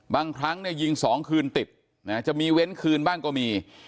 บางครั้งเนี่ยยิง๒คืนติดจะมีเว้นคืนบ้างก็มี